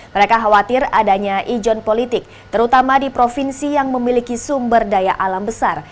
mereka khawatir adanya ijon politik terutama di provinsi yang memiliki sumber daya alam besar